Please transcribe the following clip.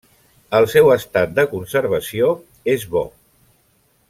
El seu estat de conservació és bo.